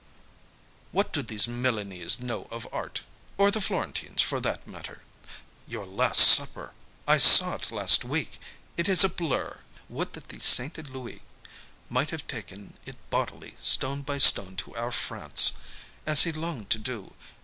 "What do these Milanese know of art? Or the Florentines, for that matter? Your 'Last Supper' I saw it last week. It is a blur. Would that the sainted Louis might have taken it bodily, stone by stone, to our France, as he longed to do.